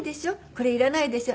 これいらないでしょ？」